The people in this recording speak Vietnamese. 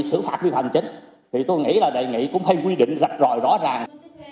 xử phạt vi phạm chính thì tôi nghĩ là đại nghị cũng phải quy định rất rõ ràng